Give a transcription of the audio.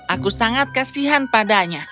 aku sangat kasihan padanya